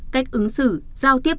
cách ứng xử giao tiếp